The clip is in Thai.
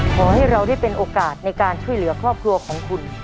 ขอให้เราได้เป็นโอกาสในการช่วยเหลือครอบครัวของคุณ